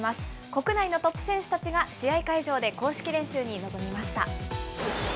国内のトップ選手たちが試合会場で公式練習に臨みました。